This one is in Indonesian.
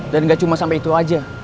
dan gak cuma sampe itu aja